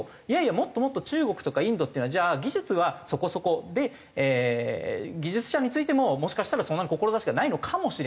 もっともっと中国とかインドっていうのはじゃあ技術はそこそこで技術者についてももしかしたらそんなに志がないのかもしれない。